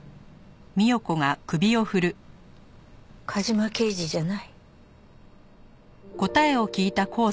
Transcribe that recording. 梶間刑事じゃない。